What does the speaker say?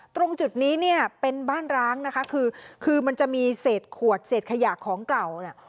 ตรงจุดนี้เนี่ยเป็นบ้านร้างนะคะคือคือมันจะมีเศษขวดเศษขยะของเก่าเนี่ย